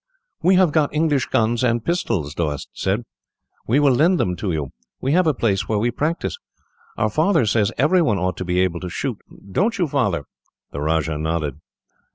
"We have got English guns and pistols," Doast said. "We will lend them to you. We have a place where we practise. "Our father says everyone ought to be able to shoot don't you, Father?" The Rajah nodded.